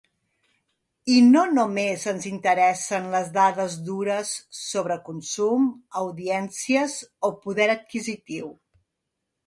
I no només ens interessen les dades dures sobre consum, audiències o poder adquisitiu.